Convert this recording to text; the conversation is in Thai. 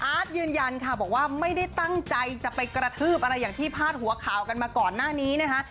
ยืนยันค่ะบอกว่าไม่ได้ตั้งใจจะไปกระทืบอะไรอย่างที่พาดหัวข่าวกันมาก่อนหน้านี้นะคะ